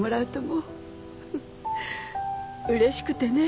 うれしくてね。